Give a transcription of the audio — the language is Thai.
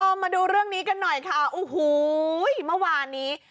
มาดูเรื่องนี้กันหน่อยค่ะโอ้โหเมื่อวานนี้